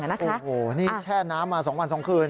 โอ้โหนี่แช่น้ำมา๒วัน๒คืน